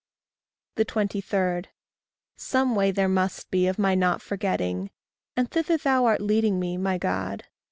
23. Some way there must be of my not forgetting, And thither thou art leading me, my God.